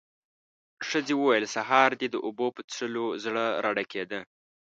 ښځې وويل: سهار دې د اوبو په څښلو زړه راډکېده.